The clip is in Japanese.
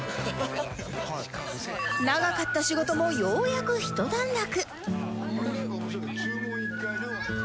長かった仕事もようやくひと段落